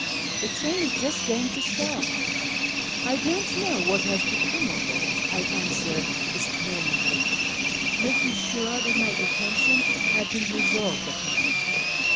" The train is just going to start." " I don't know what has become of it," I answered despairingly, making sure that my detention had been resolved upon.